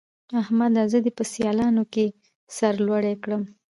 احمده! زه دې په سيالانو کې سر لوړی کړم.